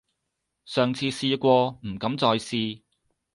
上次試過，唔敢再試